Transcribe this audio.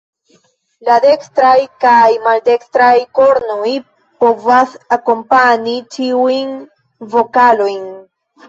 La dekstraj kaj maldekstraj kornoj povas akompani ĉiujn vokalojn.